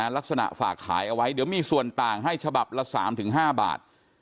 ลักษณะฝากขายเอาไว้เดี๋ยวมีส่วนต่างให้ฉบับละ๓๕บาท